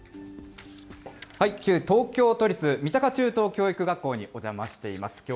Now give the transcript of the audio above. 東京都立三鷹中等教育学校にお邪魔しています。